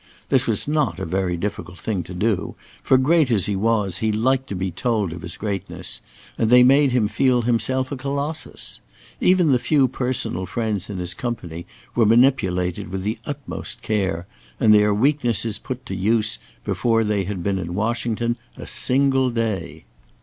This was not a very difficult thing to do, for great as he was, he liked to be told of his greatness, and they made him feel himself a colossus. Even the few personal friends in his company were manipulated with the utmost care, and their weaknesses put to use before they had been in Washington a single day.